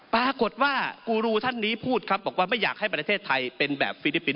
ปรากฏว่ากูรูท่านนี้พูดครับบอกว่าไม่อยากให้ประเทศไทยเป็นแบบฟิลิปปินส